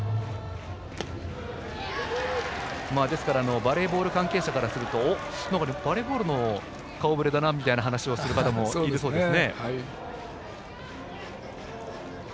ですからバレーボール関係者からするとバレーボールの顔ぶれだなという話をする方もいるようです。